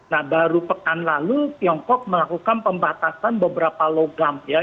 nah baru pekan lalu tiongkok melakukan pembatasan beberapa logam ya